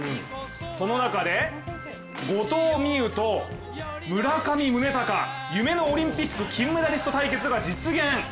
その中で、後藤希友と、村上宗隆、夢のオリンピック金メダリスト対決が実現。